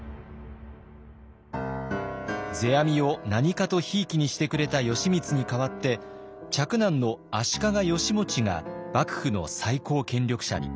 世阿弥を何かとひいきにしてくれた義満に代わって嫡男の足利義持が幕府の最高権力者に。